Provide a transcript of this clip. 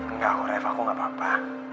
enggak aku ref aku gak apa apa